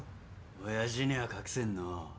親父には隠せんのう。